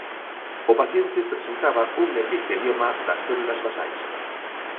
O paciente presentaba un epitelioma das células basais.